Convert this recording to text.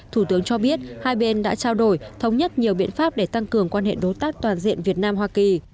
thủ tướng cho biết hai bên đã trao đổi thống nhất nhiều biện pháp để tăng cường quan hệ đối tác toàn diện việt nam hoa kỳ